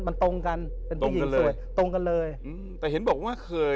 ม่ออะไรน่ะ